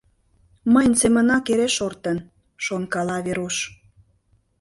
Мыйын семынак эре шортын, — шонкала Веруш.